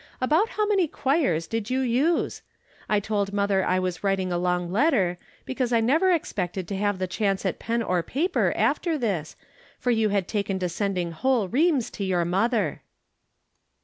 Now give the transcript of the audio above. About how many quires did you use ? I told mother I was writing a long letter, because I never expected to have a chance at pen or paper after this, for you had taken to sending whole reams to your mother."